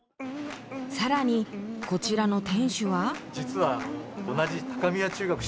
更にこちらの店主は。